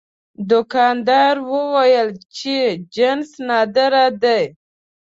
دوکاندار وویل چې جنس نادر دی.